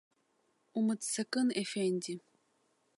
Умыццакын, ефенди!